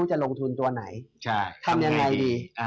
อะนั่นนะครับ